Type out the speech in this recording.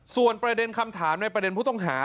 ส่วนประเด็นคำถามในประเด็นผู้ต้องหา